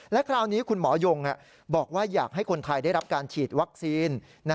และคราวนี้คุณหมอยงบอกว่าอยากให้คนไทยได้รับการฉีดวัคซีน